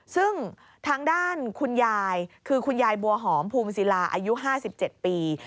ซึ่งทางด้านคุณยายคือคุณยายบัวหอมภูมิศิลาอายุ๕๗ปี